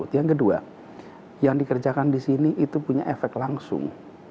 yang kedua yang dikerjakan di sini itu punya efek langsung